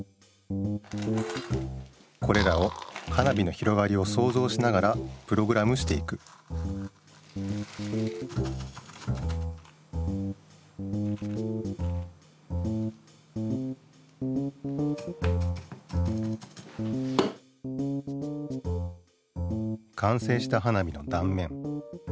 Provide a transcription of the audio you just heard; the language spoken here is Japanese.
これらを花火の広がりをそうぞうしながらプログラムしていくかんせいした花火のだんめん。